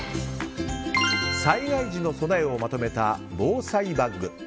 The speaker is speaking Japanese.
災害時の備えをまとめた防災バッグ。